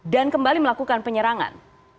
dan kembali melakukan penyerangan